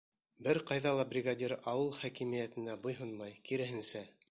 Бер ҡайҙа ла бригадир ауыл хакимиәтенә буйһонмай, киреһенсә...